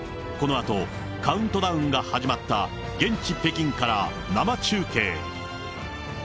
このあと、カウントダウンが始まった現地、北京から生中継。